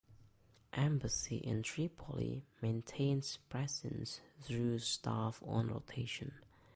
Embassy in Tripoli maintains presence through staff on rotation.